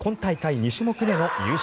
２種目目の優勝。